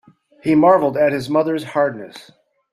He marvelled at his mother’s hardness.